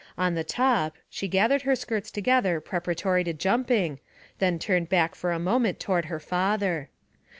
On the top, she gathered her skirts together preparatory to jumping, then turned back for a moment toward her father.